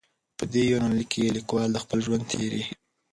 په دې یونلیک کې لیکوال د خپل ژوند تېرې.